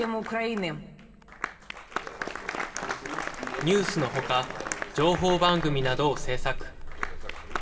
ニュースのほか、情報番組などを制作。